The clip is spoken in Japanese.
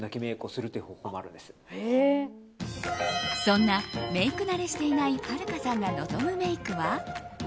そんなメイク慣れしていないはるかさんが望むメイクは。